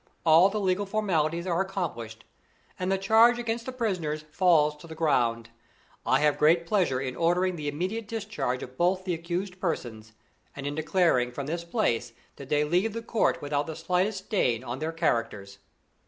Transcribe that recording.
All the legal formalities are accomplished, and the charge against the prisoners falls to the ground. I have great pleasure in ordering the immediate discharge of both the accused persons, and in declaring from this place that they leave the court without the slightest stain on their characters."